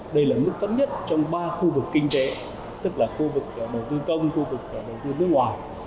đây là mức tấn nhất trong ba khu vực kinh tế tức là khu vực đầu tư công khu vực đầu tư nước ngoài